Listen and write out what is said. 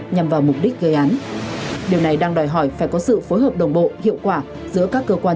nhằm vào mục đích gây án điều này đang đòi hỏi phải có sự phối hợp đồng bộ hiệu quả giữa các cơ quan